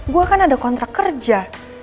gue kan ada kontrak kerja